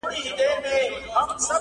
• سمدلاسه خلګ راسي د ده لور ته..